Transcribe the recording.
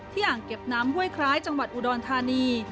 อ่างเก็บน้ำห้วยคล้ายจังหวัดอุดรธานี